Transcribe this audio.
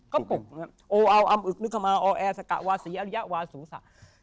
ก็ปลุกโออาวอัมอึกนึกคำอาวแอสกะวาศรีอัลยะวาศูสะ